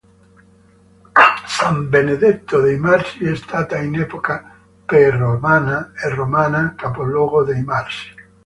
San Benedetto dei Marsi è stata in epoca preromana e romana capoluogo dei Marsi.